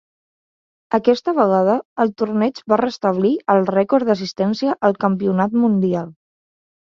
Aquesta vegada, el torneig va restablir el rècord d'assistència al Campionat Mundial.